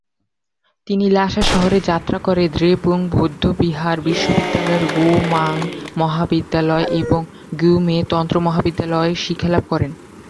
তিনি লাসা শহরে যাত্রা করে দ্রেপুং বৌদ্ধবিহার বিশ্ববিদ্যালয়ের গোমাং মহাবিদ্যালয় এবং গ্যুমে তন্ত্র মহাবিদ্যালয়ে শিক্ষালাভ করেন।